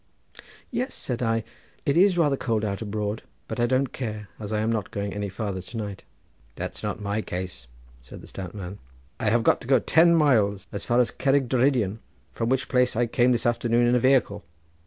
"Yes," said I; "it is rather cold out abroad, but I don't care, as I am not going any farther to night." "That's not my case," said the stout man, "I have got to go ten miles, as far as Cerrig Drudion, from which place I came this afternoon in a wehicle."